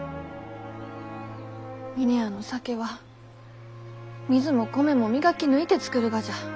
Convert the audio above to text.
峰屋の酒は水も米も磨き抜いて造るがじゃ。